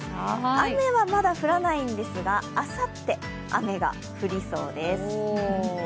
雨はまだ降らないんですが、あさって、雨が降りそうです。